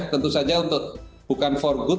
tentu saja bukan untuk good